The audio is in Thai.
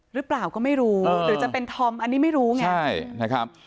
หรือเปล่าก็ไม่รู้หรือจะเป็นธอมอันนี้ไม่รู้ไงใช่นะครับ